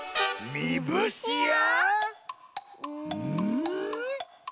みぶしあ！